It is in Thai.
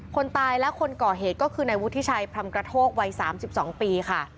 คนตายและคนก่อเหตุก็คือนายวุฒิชัยพรรมกระโทกวัย๓๒ปีค่ะ